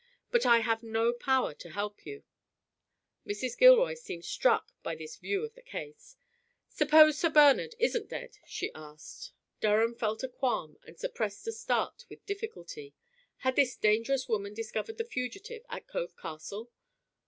But I have no power to help you." Mrs. Gilroy seemed struck by this view of the case. "Suppose Sir Bernard isn't dead?" she asked. Durham felt a qualm and suppressed a start with difficulty. Had this dangerous woman discovered the fugitive at Cove Castle.